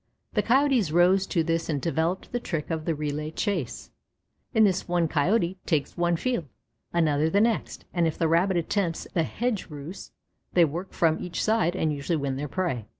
The Coyotes rose to this and developed the trick of the relay chase. In this one Coyote takes one field, another the next, and if the Rabbit attempts the "hedge ruse" they work from each side and usually win their prey.